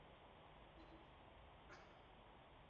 Filma osoki Kanadako Toronto hirian filmatu zen.